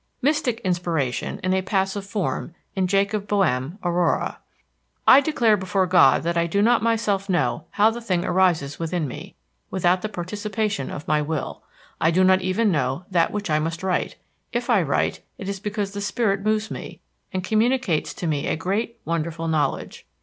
Mystic inspiration, in a passive form, in Jacob Boehme (Aurora): "I declare before God that I do not myself know how the thing arises within me, without the participation of my will. I do not even know that which I must write. If I write, it is because the Spirit moves me and communicates to me a great, wonderful knowledge.